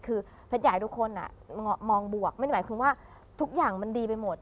คือแพทย์อยากให้ทุกคนมองบวกไม่ได้หมายความว่าทุกอย่างมันดีไปหมด